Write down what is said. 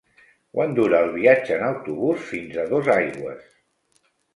Quant dura el viatge en autobús fins a Dosaigües?